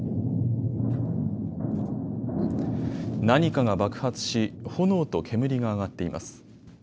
何かが爆発し、炎と煙が上がっています。